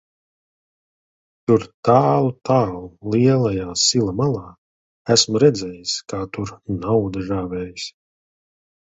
Tur tālu, tālu lielajā sila malā, esmu redzējis, kā tur nauda žāvējas.